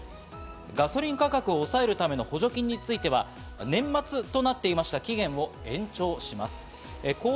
ガソリン価格を抑えるための補助金については年末となっていました期限を延長します。